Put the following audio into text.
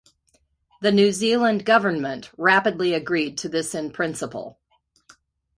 The New Zealand Government rapidly agreed to this in principle.